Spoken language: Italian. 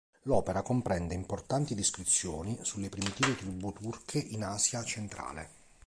L'opera comprende importanti descrizioni sulle primitive tribù turche in Asia centrale.